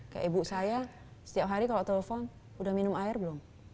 kayak ibu saya setiap hari kalau telepon udah minum air belum